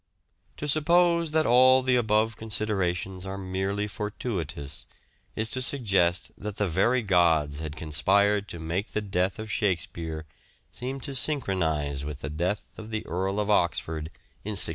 To suppose that all the above considerations are merely fortuitous is to suggest that the very gods had conspired to make the death of " Shakespeare " seem to synchronize with the death of the Earl of Oxford in 1604.